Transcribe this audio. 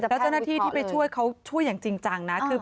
แล้วเจ้าหน้าที่ที่ไปช่วยเขาช่วยอย่างจริงจังนะ